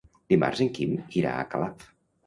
Dimarts en Quim irà a Calaf.